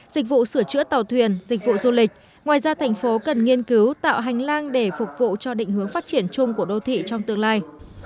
dịch vụ sửa chữa tàu thuyền dịch vụ du lịch ngoài ra thành phố cần nghiên cứu tạo hành lang để phục vụ cho định hướng phát triển chung của đô thị trong tương lai